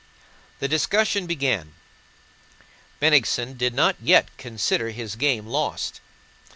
The discussion began. Bennigsen did not yet consider his game lost.